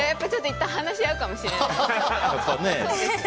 いったん話し合うかもしれないです。